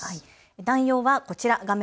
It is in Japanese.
内容はこちら画面